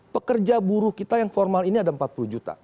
pekerja buruh kita yang formal ini ada empat puluh juta